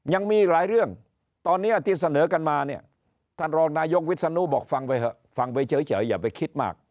ยังมีหลายเรื่องตอนนี้ที่เสนอกันมาเนี่ยท่านรองนายกวิศนุบอกฟังไปเถอะฟังไปเฉยอย่าไปคิดมาก